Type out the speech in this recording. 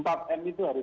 hanya satu upaya saja